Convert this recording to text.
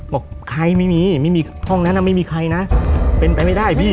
บอกใครไม่มีไม่มีห้องนั้นไม่มีใครนะเป็นไปไม่ได้พี่